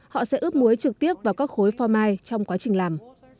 họ sẽ ướp muối trực tiếp vào các khối phò mai trong quá trình làm